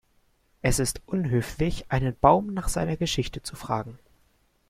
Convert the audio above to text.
Es ist unhöflich, einen Baum nach seiner Geschichte zu fragen.